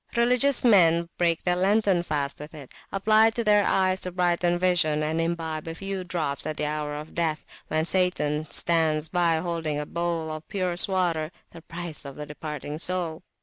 Religious men break their lenten fast with it, apply it to their eyes to brighten vision, and imbibe a few drops at the hour of death, when Satan stands by holding a bowl of purest water, the price of the departing soul.